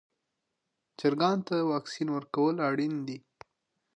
چرګانو ته واکسین ورکول اړین دي.